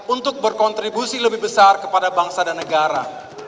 untuk berkontribusi lebih besar kepada bangsa dan negara